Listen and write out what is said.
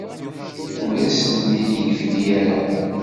Ur as-ten-id-yefki ara.